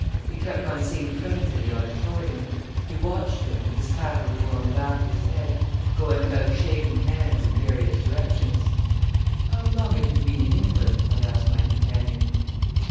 He kept on seeing friends in the auditorium. We watched him, with his hat a little on the back of his head, going about shaking hands in various directions. "How long have you been in England?" I asked my companion.